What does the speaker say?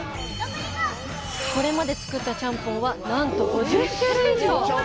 これまで作ったちゃんぽんはなんと、５０種類以上！